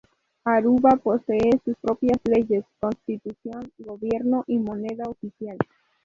Aruba posee sus propias leyes, constitución, gobierno y moneda oficial.